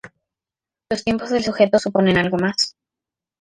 Los tiempos del sujeto suponen algo más.